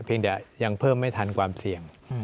ยังแต่ยังเพิ่มไม่ทันความเสี่ยง